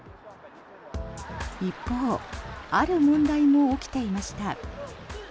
一方、ある問題も起きていました。